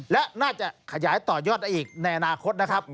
และน่าจะขยายต่อยอดได้อีกในอนาคตนะครับ